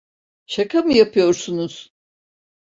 Şaka mı yapıyorsunuz?